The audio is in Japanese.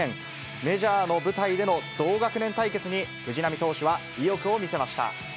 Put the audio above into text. メジャーの舞台での同学年対決に、藤浪投手は意欲を見せました。